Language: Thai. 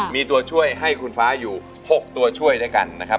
มีตัวช่วยให้คุณฟ้าอยู่๖ตัวช่วยด้วยกันนะครับ